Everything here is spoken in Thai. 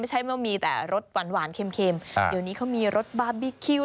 ไม่ใช่ว่ามีแต่รสหวานหวานเค็มเดี๋ยวนี้เขามีรสบาร์บีคิว